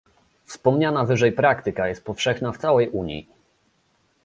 Wspomniana wyżej praktyka jest powszechna w całej Unii